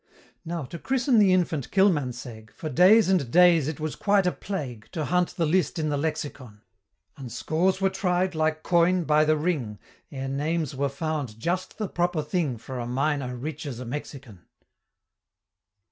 Now to christen the infant Kilmansegg, For days and days it was quite a plague, To hunt the list in the Lexicon: And scores were tried, like coin, by the ring, Ere names were found just the proper thing For a minor rich as a Mexican.